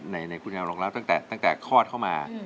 ในคุณยาวนอกแล้วตั้งแต่ข้อเข้ามา